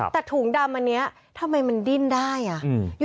แต่ถุงดำอันนี้ทำไมมันดิ้นได้อ่ะ